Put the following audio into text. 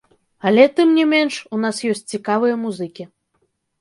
Але, тым не менш, у нас ёсць цікавыя музыкі.